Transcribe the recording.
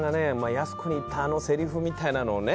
安子に言ったあのせりふみたいなのをね